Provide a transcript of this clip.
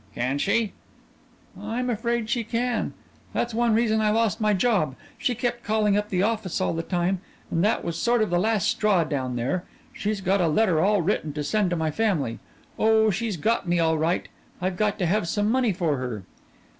"Can she?" "I'm afraid she can. That's one reason I lost my job she kept calling up the office all the time, and that was sort of the last straw down there. She's got a letter all written to send to my family. Oh, she's got me, all right. I've got to have some money for her."